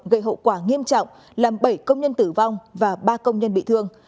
gây hậu quả nghiêm trọng làm bảy công nhân tử vong và ba công nhân bị thương